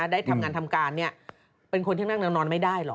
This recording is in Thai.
ได้ทำงานทำการเป็นคนที่นั่งแล้วนอนไม่ได้หรอก